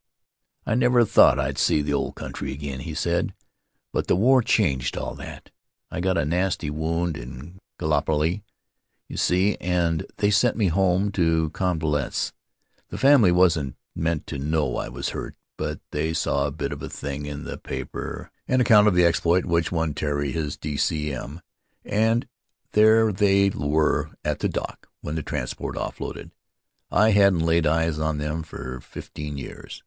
" I never thought I'd see the old country again," he said, "but the war changed all that. I got a nasty wound in Gallipoli, you see, and they sent me home to convalesce. The family wasn't meant to know I was hurt, but they saw a bit of a thing in the paper [an account of the exploit which won Tari his D. C. MJ, and there they were at the dock when the transport off loaded. I hadn't laid eyes on them for fifteen years.